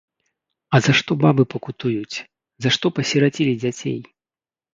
А за што бабы пакутуюць, за што пасірацілі дзяцей!